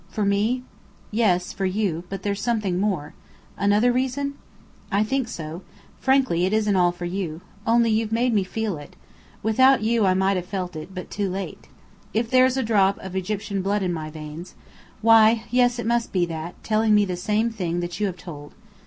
"For me?" "Yes, for you. But there's something more." "Another reason?" "I think so. Frankly, it isn't all for you. Only, you've made me feel it. Without you, I might have felt it but too late. If there's a drop of Egyptian blood in my veins why, yes, it must be that, telling me the same thing that you have told.